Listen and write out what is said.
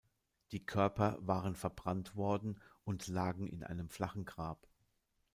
Die Körper waren verbrannt worden und lagen in einem flachen Grab.